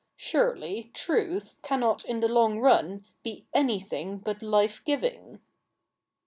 Surely truth cannot in the long run be anything but life giving.'